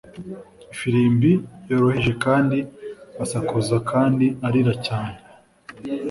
ifirimbi yoroheje kandi asakuza kandi arira cyane